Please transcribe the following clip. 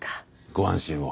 ご安心を。